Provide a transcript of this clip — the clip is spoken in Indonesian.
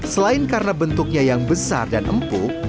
selain karena bentuknya yang besar dan empuk